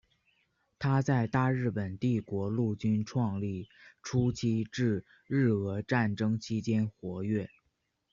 他在大日本帝国陆军创立初期至日俄战争期间活跃。